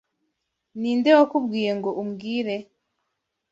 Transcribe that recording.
Ninde wakubwiye ngo umbwire?